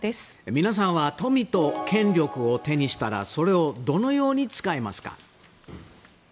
皆さんは富と権力を手にしたらそれをどのように使いますか？